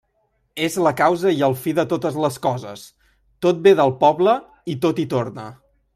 És la causa i el fi de totes les coses; tot ve del poble i tot hi torna.